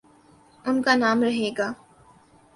ان کانام رہے گا۔